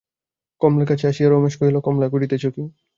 কমলার কাছে আসিয়া রমেশ কহিল, কমলা, করিতেছ কী?